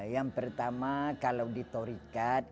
yang pertama kalau dituntut